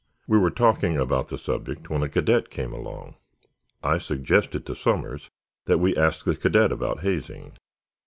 We were talking about the subject when a cadet came along. I suggested to Somers that we ask the cadet about hazing.